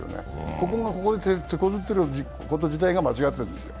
ここが手こずっていること自体が間違っているんですよ。